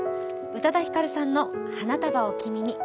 宇多田ヒカルさんの「花束を君に」。